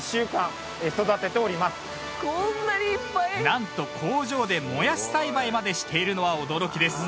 なんと工場でもやし栽培までしているのは驚きです。